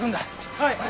はい！